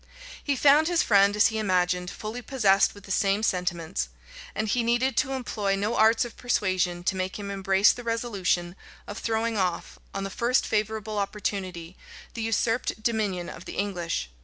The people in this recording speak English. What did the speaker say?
He found his friend, as he imagined, fully possessed with the same sentiments; and he needed to employ no arts of persuasion to make him embrace the resolution of throwing off, on the first favorable opportunity, the usurped dominion of the English.